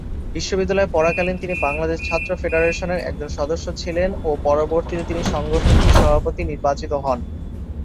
বিশ্ববিদ্যালয়ে পড়াকালীন তিনি বাংলাদেশ ছাত্র ফেডারেশনের একজন সদস্য ছিলেন ও পরবর্তীতে তিনি সংগঠনটির সভাপতি নির্বাচিত হন।